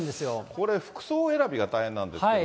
これ、服装選びが大変ですけど。